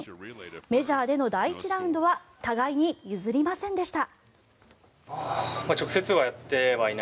メジャーでの第１ラウンドは互いに譲りませんでした。